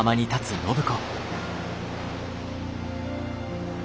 暢子。